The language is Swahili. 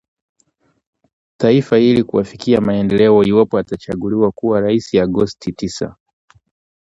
taifa hili kuaafikia maendeleo iwapo atachaguliwa kuwa rais agosti tisa